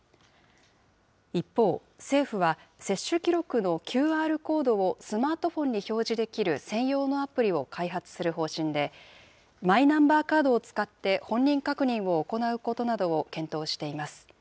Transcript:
一方、政府は、接種記録のＱＲコードをスマートフォンに表示できる専用のアプリを開発する方針で、マイナンバーカードを使って本人確認を行うことなどを検討しています。